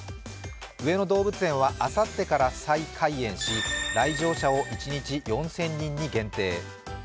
上野動物園はあさってから再開園し、来場者を一日４０００人に限定。